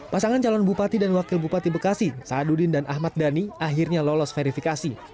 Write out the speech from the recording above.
pasangan calon bupati dan wakil bupati bekasi sahadudin dan ahmad dhani akhirnya lolos verifikasi